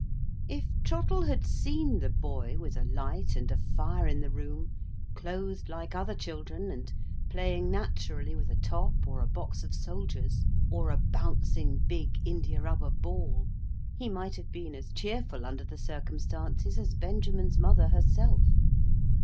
If Trottle had seen the boy, with a light and a fire in the room, clothed like other children, and playing naturally with a top, or a box of soldiers, or a bouncing big India rubber ball, he might have been as cheerful under the circumstances as Benjamin's mother herself.